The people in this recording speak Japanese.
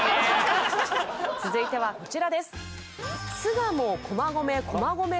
続いてはこちらです。